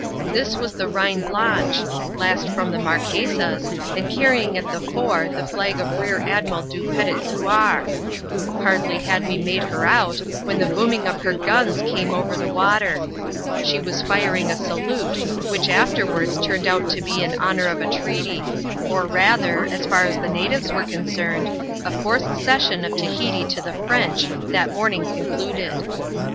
This was the Reine Blanche, last from the Marquesas, and carrying at the fore, the flag of Rear Admiral Du Petit Thouars. Hardly had we made her out, when the boominw oi\iet ^xm s^ Q»ssi<^ ^xer the CHAP, zix.] A SURPRISE.— MORE ABOUT BEMBO. 69 water. She was firing a salute, which afterwards turned out to be in honour of a treaty ; or rather — as far as the natives were concerned — a forced cession of Tahiti to the French, that mom* ing concluded.